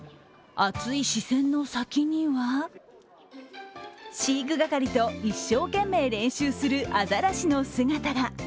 熱い視線の先には飼育係と一生懸命、練習するアザラシの姿が。